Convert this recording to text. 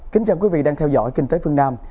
kính chào quý vị đang theo dõi kinh tế phương nam